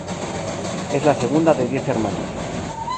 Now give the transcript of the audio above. Es la segunda de diez hermanos.